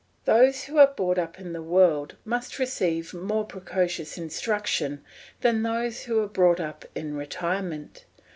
Those who are brought up in the world must receive more precocious instruction than those who are brought up in retirement.